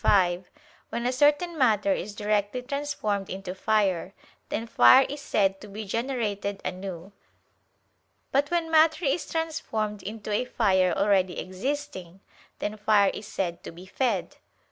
i, 5), when a certain matter is directly transformed into fire, then fire is said to be generated anew: but when matter is transformed into a fire already existing, then fire is said to be fed.